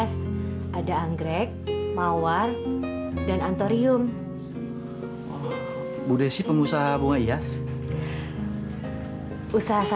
sebentar bu ya